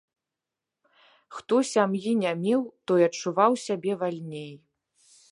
Хто сям'і не меў, той адчуваў сябе вальней.